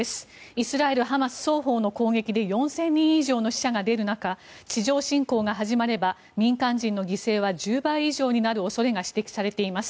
イスラエル、ハマス双方の攻撃で４０００人以上の死者が出る中地上侵攻が始まれば民間人の犠牲は１０倍以上になる恐れが指摘されています。